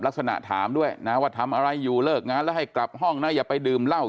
ลักษณะถามด้วยนะว่าทำอะไรอยู่เลิกงานแล้วให้กลับห้องนะอย่าไปดื่มเหล้า